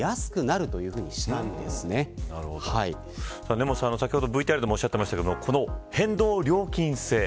根本さん、先ほどＶＴＲでもおっしゃっていましたけどこの変動料金制